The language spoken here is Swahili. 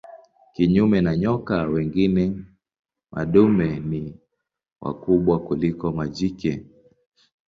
Kinyume na nyoka wengine madume ni wakubwa kuliko majike.